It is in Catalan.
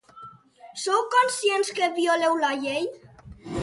Sou conscients que violeu la llei?